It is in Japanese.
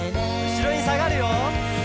「後ろにさがるよ」